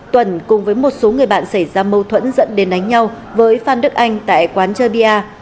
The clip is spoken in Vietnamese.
tuần cùng với một số người bạn xảy ra mâu thuẫn dẫn đến đánh nhau với phan đức anh tại quán chơi bia